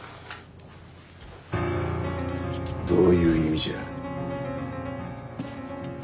どういう意味じゃ。